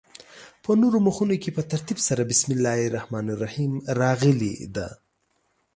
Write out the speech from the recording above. په نورو مخونو کې په ترتیب سره بسم الله الرحمن الرحیم راغلې ده.